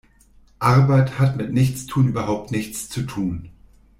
Arbeit hat mit Nichtstun überhaupt nichts zu tun.